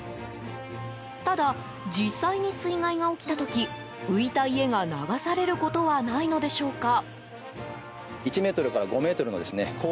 ただ、実際に水害が起きた時浮いた家が流されることはないのでしょうか。